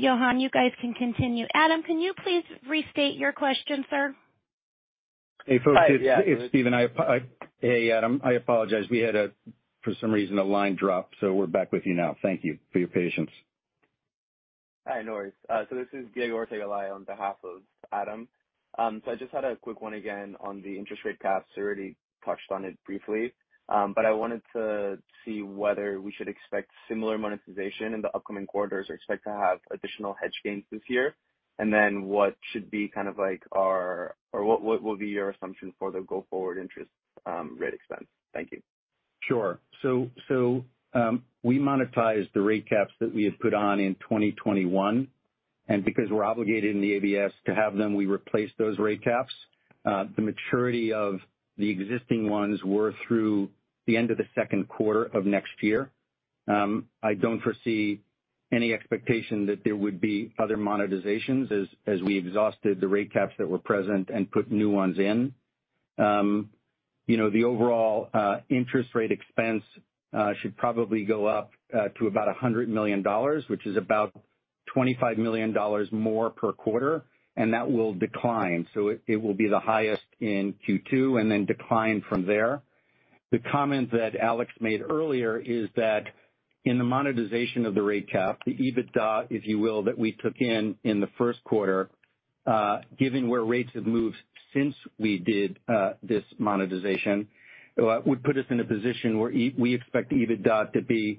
Johann, you guys can continue. Adam, can you please restate your question, sir? Hey, folks. It's Stephen. Hey, Adam. I apologize. We had, for some reason, a line drop. We're back with you now. Thank you for your patience. Hi, no worries. This is Diego Ortega Laya on behalf of Adam. I just had a quick one again on the interest rate caps. You already touched on it briefly, but I wanted to see whether we should expect similar monetization in the upcoming quarters or expect to have additional hedge gains this year. What should be kind of like what will be your assumption for the go-forward interest, rate expense? Thank you. Sure. We monetized the rate caps that we had put on in 2021, and because we're obligated in the ABS to have them, we replaced those rate caps. The maturity of the existing ones were through the end of the second quarter of next year. I don't foresee any expectation that there would be other monetizations as we exhausted the rate caps that were present and put new ones in. You know, the overall interest rate expense should probably go up to about $100 million, which is about $25 million more per quarter, and that will decline. It will be the highest in Q2 and then decline from there. The comment that Alex made earlier is that in the monetization of the rate cap, the EBITDA, if you will, that we took in in the first quarter, given where rates have moved since we did this monetization, would put us in a position where we expect EBITDA to be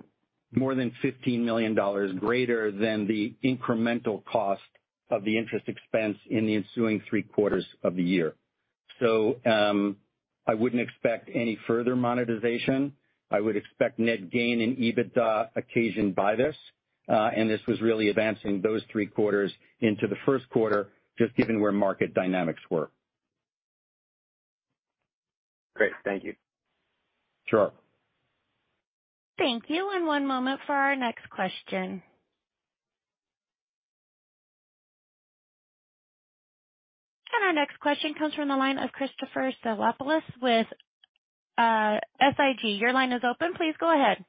more than $15 million greater than the incremental cost of the interest expense in the ensuing three quarters of the year. I wouldn't expect any further monetization. I would expect net gain in EBITDA occasioned by this, and this was really advancing those three quarters into the first quarter, just given where market dynamics were. Great. Thank you. Sure. Thank you. One moment for our next question. Our next question comes from the line of Christopher Stathoulopoulos with SIG. Your line is open. Please go ahead.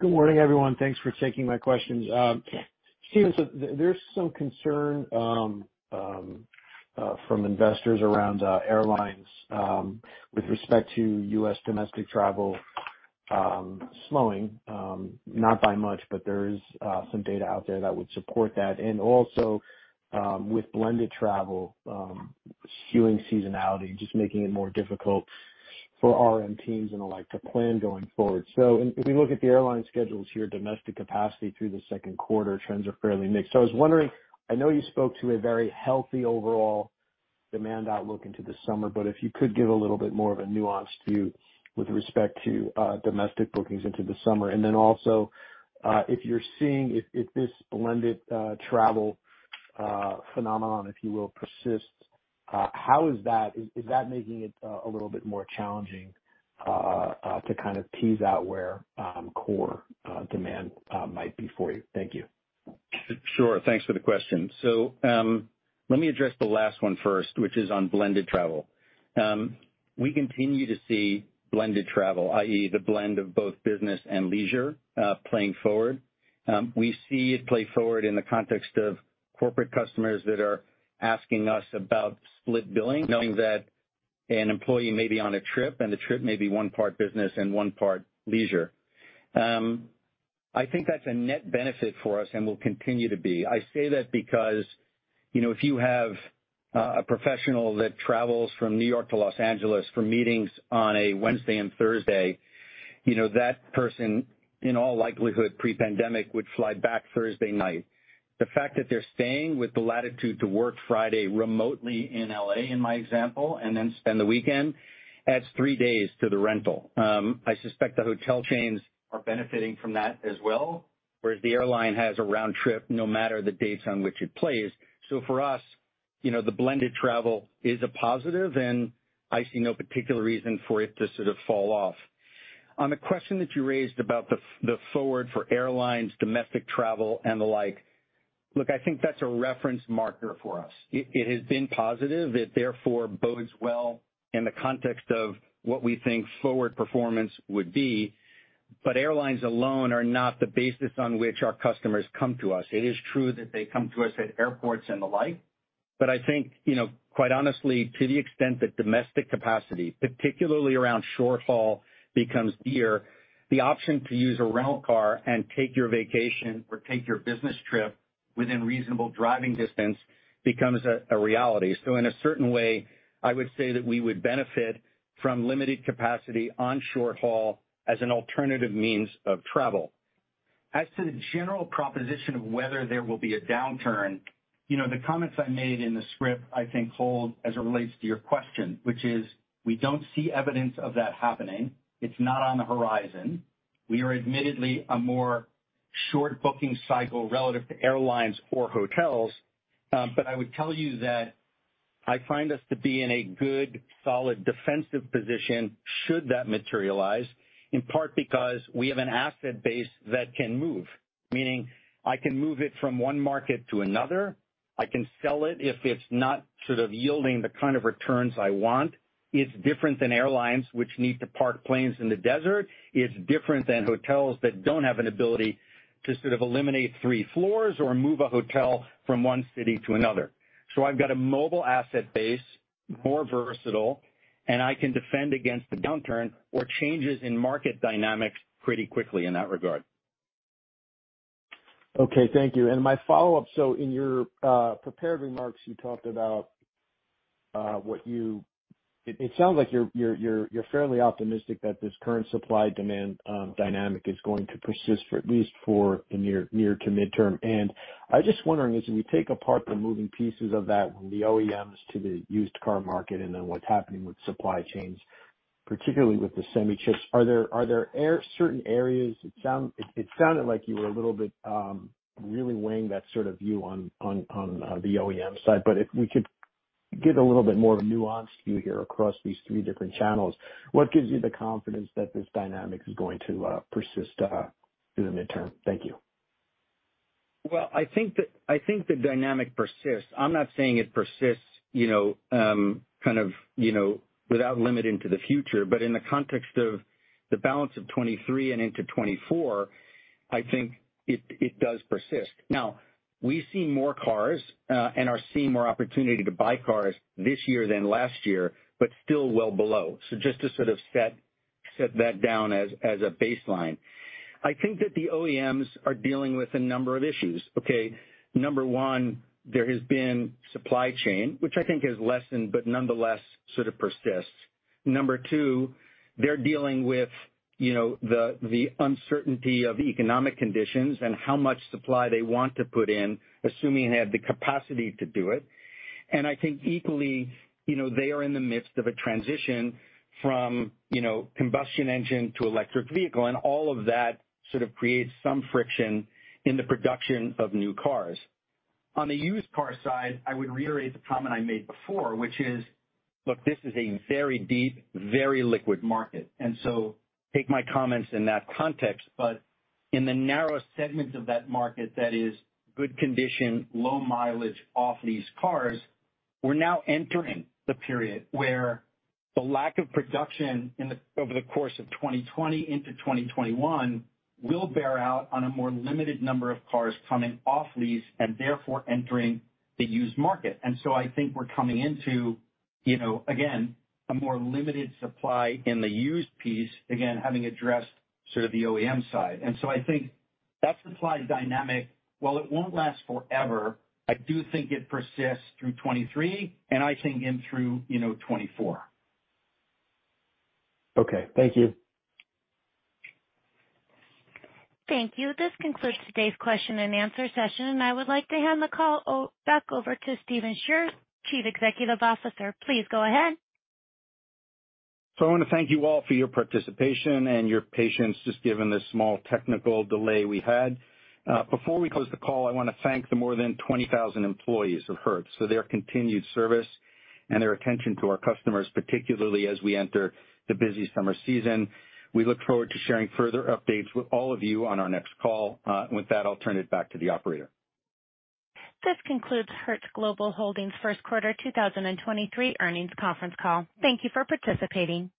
Good morning, everyone. Thanks for taking my questions. Stephen, there's some concern from investors around airlines with respect to U.S. domestic travel slowing, not by much, but there is some data out there that would support that. Also, with blended travel skewing seasonality, just making it more difficult for RM teams and the like to plan going forward. If we look at the airline schedules here, domestic capacity through the second quarter, trends are fairly mixed. I was wondering, I know you spoke to a very healthy overall demand outlook into the summer, but if you could give a little bit more of a nuance with respect to domestic bookings into the summer. Then also, if you're seeing if this blended travel phenomenon, if you will, persist, how is that? Is that making it a little bit more challenging to kind of tease out where core demand might be for you? Thank you. Sure. Thanks for the question. Let me address the last one first, which is on blended travel. We continue to see blended travel, i.e., the blend of both business and leisure, playing forward. We see it play forward in the context of corporate customers that are asking us about split billing, knowing that an employee may be on a trip, and the trip may be one part business and one part leisure. I think that's a net benefit for us and will continue to be. I say that because, you know, if you have a professional that travels from New York to Los Angeles for meetings on a Wednesday and Thursday, you know, that person, in all likelihood, pre-pandemic, would fly back Thursday night. The fact that they're staying with the latitude to work Friday remotely in L.A., in my example, and then spend the weekend, adds three days to the rental. I suspect the hotel chains are benefiting from that as well, whereas the airline has a round trip no matter the dates on which it plays. For us, you know, the blended travel is a positive, and I see no particular reason for it to sort of fall off. On the question that you raised about the forward for airlines, domestic travel and the like, look, I think that's a reference marker for us. It has been positive. It therefore bodes well in the context of what we think forward performance would be. Airlines alone are not the basis on which our customers come to us. It is true that they come to us at airports and the like, I think, you know, quite honestly, to the extent that domestic capacity, particularly around short-haul, becomes dear, the option to use a rental car and take your vacation or take your business trip within reasonable driving distance becomes a reality. In a certain way, I would say that we would benefit from limited capacity on short haul as an alternative means of travel. As to the general proposition of whether there will be a downturn, you know, the comments I made in the script I think hold as it relates to your question, which is we don't see evidence of that happening. It's not on the horizon. We are admittedly a more short booking cycle relative to airlines or hotels. I would tell you that I find us to be in a good, solid defensive position should that materialize, in part because we have an asset base that can move. Meaning I can move it from one market to another. I can sell it if it's not sort of yielding the kind of returns I want. It's different than airlines, which need to park planes in the desert. It's different than hotels that don't have an ability to sort of eliminate three floors or move a hotel from one city to another. I've got a mobile asset base, more versatile, and I can defend against the downturn or changes in market dynamics pretty quickly in that regard. Okay. Thank you. My follow-up, in your prepared remarks, you talked about what you it sounds like you're fairly optimistic that this current supply-demand dynamic is going to persist for at least for the near to midterm. I was just wondering, as we take apart the moving pieces of that from the OEMs to the used car market and then what's happening with supply chains. Particularly with the semi chips, are there certain areas? It sounded like you were a little bit really weighing that sort of view on the OEM side, but if we could get a little bit more of a nuanced view here across these three different channels, what gives you the confidence that this dynamic is going to persist through the midterm? Thank you. Well, I think the, I think the dynamic persists. I'm not saying it persists, you know, kind of, you know, without limit into the future. In the context of the balance of 2023 and into 2024, I think it does persist. Now, we see more cars, and are seeing more opportunity to buy cars this year than last year, but still well below. Just to sort of set that down as a baseline. I think that the OEMs are dealing with a number of issues, okay? Number one, there has been supply chain, which I think has lessened, but nonetheless sort of persists. Number two, they're dealing with, you know, the uncertainty of economic conditions and how much supply they want to put in, assuming they have the capacity to do it. I think equally, you know, they are in the midst of a transition from, you know, combustion engine to electric vehicle, and all of that sort of creates some friction in the production of new cars. On the used car side, I would reiterate the comment I made before, which is, look, this is a very deep, very liquid market, take my comments in that context. In the narrow segments of that market, that is good condition, low mileage off lease cars, we're now entering the period where the lack of production over the course of 2020 into 2021 will bear out on a more limited number of cars coming off lease and therefore entering the used market. I think we're coming into, you know, again, a more limited supply in the used piece, again, having addressed sort of the OEM side. I think that supply dynamic, while it won't last forever, I do think it persists through 2023 and I think in through, you know, 2024. Okay. Thank you. Thank you. This concludes today's question and answer session. I would like to hand the call back over to Stephen Scherr, Chief Executive Officer. Please go ahead. I wanna thank you all for your participation and your patience, just given the small technical delay we had. Before we close the call, I wanna thank the more than 20,000 employees of Hertz for their continued service and their attention to our customers, particularly as we enter the busy summer season. We look forward to sharing further updates with all of you on our next call. With that, I'll turn it back to the operator. This concludes Hertz Global Holdings First Quarter 2023 Earnings Conference Call. Thank you for participating.